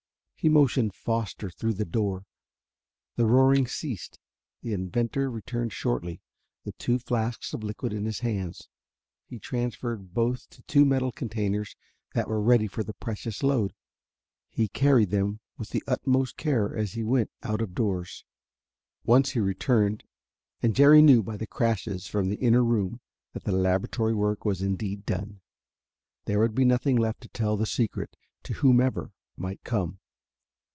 He motioned Foster through the door. The roaring ceased. The inventor returned shortly, the two flasks of liquid in his hands. He transferred both to two metal containers that were ready for the precious load. He carried them with the utmost care as he went out of doors. Once he returned, and Jerry knew by the crashes from the inner room that the laboratory work was indeed done. There would be nothing left to tell the secret to whomever might come.